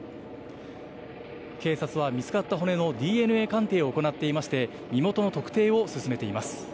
警察は見つかった骨のＤＮＡ鑑定を行っていまして、身元の特定を進めています。